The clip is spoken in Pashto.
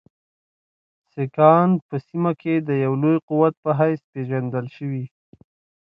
سیکهان په سیمه کې د یوه لوی قوت په حیث پېژندل شوي.